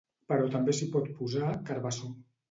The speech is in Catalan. però també s'hi pot posar carbassó